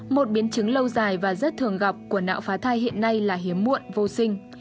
một biến chứng lâu dài và rất thường gặp của não phá thai hiện nay là hiếm muộn vô sinh